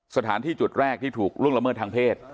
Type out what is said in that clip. สถานที่จุดแรกที่ถูกล่วงละเมิดทางเพศ